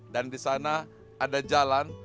dan di sana ada jalan